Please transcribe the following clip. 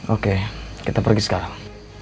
oke kita pergi sekarang